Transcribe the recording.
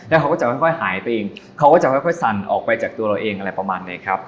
แล้วเขาก็จะค่อยหายไปเองเขาก็จะค่อยสั่นออกไปจากตัวเราเองอะไรประมาณนี้ครับ